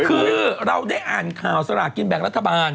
คือเราได้อ่านข่าวสลากินแบ่งรัฐบาล